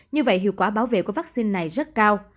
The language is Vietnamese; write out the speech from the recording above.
như vậy hiệu quả bảo vệ của vắc xin này rất cao